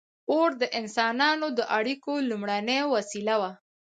• اور د انسانانو د اړیکو لومړنۍ وسیله وه.